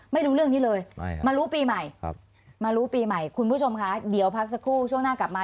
ไม่รู้เรื่องนี้เลยมารู้ปีใหม่มารู้ปีใหม่คุณผู้ชมค่ะเดี๋ยวพักสักครู่ช่วงหน้ากลับมา